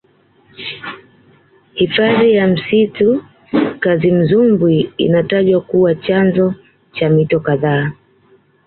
hifadhi ya msitu kazimzumbwi inatajwa kuwa chanzo cha mito kadhaa